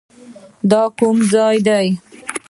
د کوم ځای؟